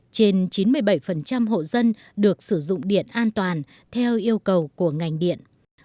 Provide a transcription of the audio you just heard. trên chín mươi bảy hộ dân được sử dụng điện an toàn theo yêu cầu của ngành điện